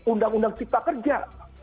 undang undang cipta kerja